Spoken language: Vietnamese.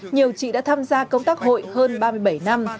nhiều chị đã tham gia công tác hội hơn ba mươi bảy năm